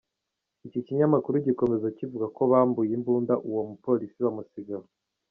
Iki kinyamakuru gikomeza kivuga ko bambuye imbunda uwo mu polisi bamusiga aho.